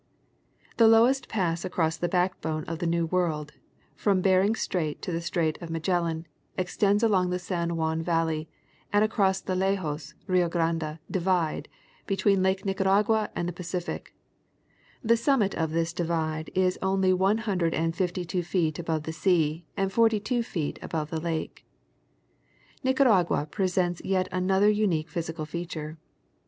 The lowest pass across the backbone of the New World, from Behring's Strait to the Straits of Magellan, extends along the San Juan valley and across the Lajas — Rio Grande " divide," be tween Lake Nicaragua and the Pacific ; the summit of this divide is only one hundred and fifty two feet above the sea and forty two feet above the lake. Nicaragua presents yet another unique physical feature.